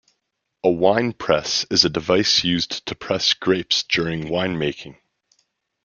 A wine press is a device used to press grapes during wine making.